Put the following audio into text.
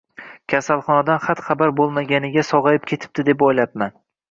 Kasalxonadan xat-xabar bo`lmaganiga sog`ayib ketipti deb o`ylabman